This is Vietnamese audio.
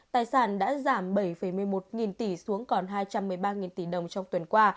tài sản đã giảm bảy một mươi một nghìn tỷ xuống còn hai trăm một mươi ba nghìn tỷ đồng trong tuần qua